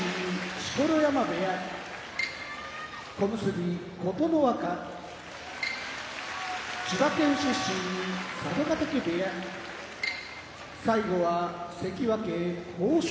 錣山部屋小結・琴ノ若千葉県出身佐渡ヶ嶽部屋関脇豊昇